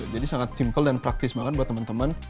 jadi sangat simpel dan praktis banget buat teman teman